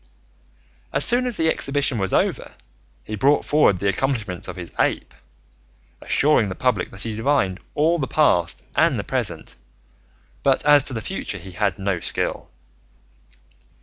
As soon as the exhibition was over he brought forward the accomplishments of his ape, assuring the public that he divined all the past and the present, but as to the future he had no skill.